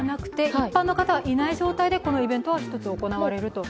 一般の方はいない状態でこのイベントは行われると。